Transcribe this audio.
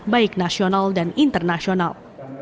baik nasional dan internasional